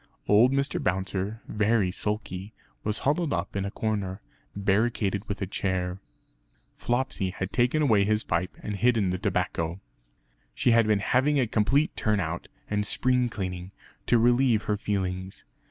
Old Mr. Bouncer, very sulky, was huddled up in a corner, barricaded with a chair. Flopsy had taken away his pipe and hidden the tobacco. She had been having a complete turn out and spring cleaning, to relieve her feelings.